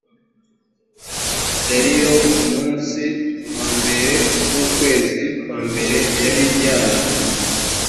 dariyo ku munsi wa mbere w’ukwezi kwa mbere yari yaje